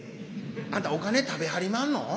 あんたお金食べはりまんの？